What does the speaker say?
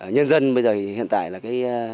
nhân dân bây giờ thì hiện tại là cái